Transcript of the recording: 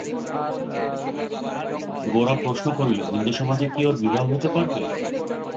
গোরা প্রশ্ন করিল, হিন্দুসমাজে কি ওঁর বিবাহ হতে পারবে?